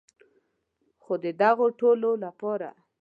خو د دغو ټولو لپاره.